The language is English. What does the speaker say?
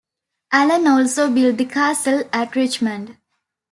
Alan also built the castle at Richmond.